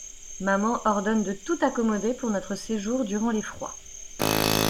Maman ordonne de tout accommoder pour notre séjour durant les froids.